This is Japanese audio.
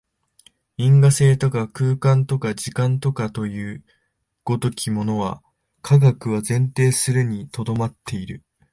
因果性とか空間とか時間とかという如きものは、科学は前提するに留まっている。